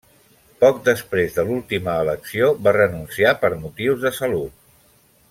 Poc després de l'última elecció va renunciar per motius de salut.